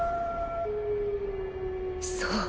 そう！